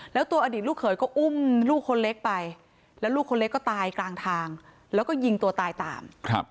แล้วตัวอดีตลูกเขยก็อุ้มลูกคนเล็กไปแล้วลูกคนเล็กก็ตายกลางทางแล้วก็ยิงตัวตายตาม